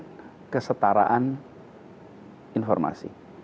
itu adalah kesetaraan informasi